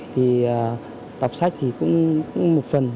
thì đọc sách thì cũng một phần